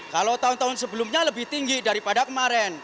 kalau tahun tahun sebelumnya lebih tinggi daripada kemarin